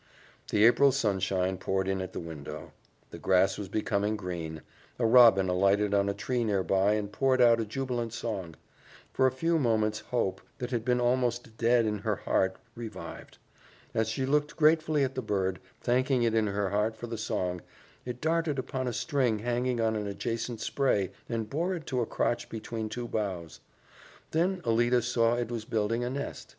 The April sunshine poured in at the window; the grass was becoming green; a robin alighted on a tree nearby and poured out a jubilant song. For a few moments hope, that had been almost dead in her heart, revived. As she looked gratefully at the bird, thanking it in her heart for the song, it darted upon a string hanging on an adjacent spray and bore it to a crotch between two boughs. Then Alida saw it was building a nest.